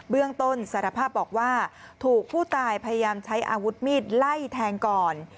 เรื่องต้นสารภาพบอกว่าถูกผู้ตายพยายามใช้อาวุธมีดไล่แทงก่อน